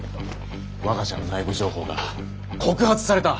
我が社の内部情報が告発された！